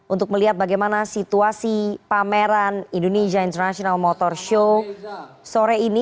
untuk melihat bagaimana situasi pameran indonesia international motor show sore ini